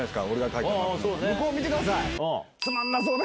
向こう見てください。